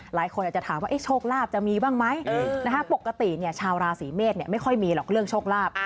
หลายคนอาจจะถามว่าโชคลาภจะมีบ้างไหมปกติชาวราศีเมษไม่ค่อยมีหรอกเรื่องโชคลาภ